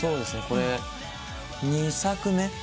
これ２作目。